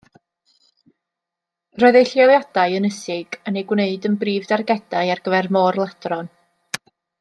Roedd eu lleoliadau ynysig yn eu gwneud yn brif dargedau ar gyfer môr-ladron.